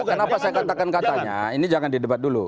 kenapa saya katakan katanya ini jangan di debat dulu